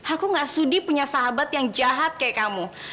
aku gak sudi punya sahabat yang jahat kayak kamu